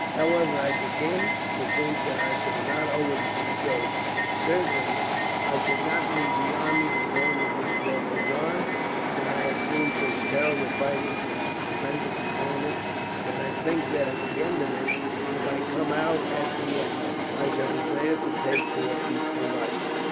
However, I begin to think that I shall not always be a soldier. Certainly, I should not leave the army as long as this war goes on; but I have seen such terrible fighting, such tremendous carnage, that I think that at the end of it, if I come out at the end, I shall be glad to take to a peaceful life.